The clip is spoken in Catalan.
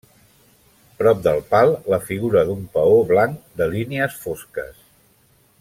Prop del pal la figura d'un paó blanc de línies fosques.